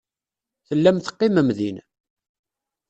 Tellam teqqimem din.